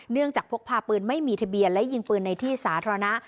จากพกพาปืนไม่มีทะเบียนและยิงปืนในที่สาธารณะ